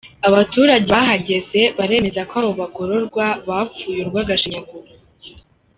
Abaturage bahageze baremeza ko aba bagororwa bapfuye urw’agashyinyaguro!